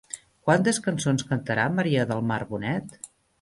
Quantes cançons cantarà Maria del Mar Bonet?